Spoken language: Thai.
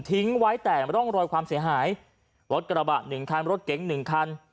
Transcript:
ทิ้งไว้แต่ร่องรอยความเสียหายรถกระบะหนึ่งคันรถเก๋งหนึ่งคัน